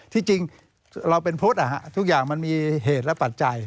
ที่จริงเราเป็นพุทธทุกอย่างมันมีเหตุและปัจจัย